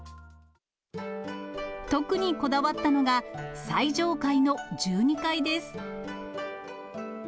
特にこだわったのが、最上階の１２階です。